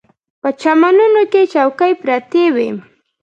په چمنونو کې چوکۍ پرتې وې.